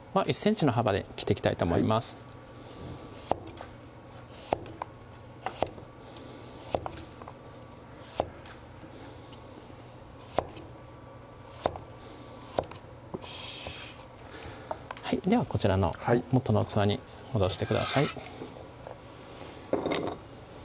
１ｃｍの幅で切っていきたいと思いますよしではこちらの元の器に戻してください